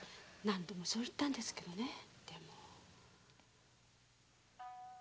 何度もそう言ったんですけどねぇ。